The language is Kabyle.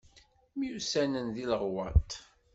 Myussanen deg Leɣwaṭ.